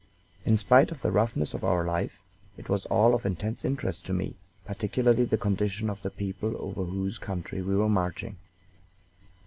In spite of the roughness of our life, it was all of intense interest to me, particularly the condition of the people over whose country we were marching.